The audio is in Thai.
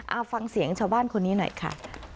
เอาฟังเสียงชาวบ้านคนนี้หน่อยค่ะ